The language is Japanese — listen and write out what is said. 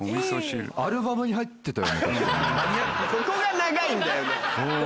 ここが長いんだよ。